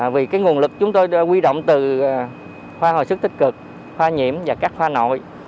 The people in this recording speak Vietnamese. vì cái nguồn lực chúng tôi quy động từ khoa hồi sức tích cực khoa nhiễm và các khoa nội